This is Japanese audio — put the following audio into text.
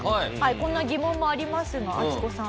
こんな疑問もありますがアキコさん。